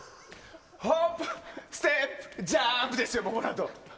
ホップ・ステップ・ジャンプですよ、このあと。